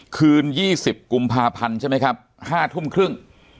คืน๒๐กุมภาพันธ์ใช่ไหมครับ๕ทุ่มครึ่ง